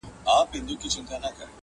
ستا د حسن ترانه وای٫